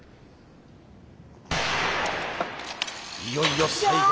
いよいよ最後の。